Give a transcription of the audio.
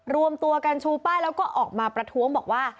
รวมตัวกันชูป้ายแล้วก็ออกมาประท้วงบอกว่า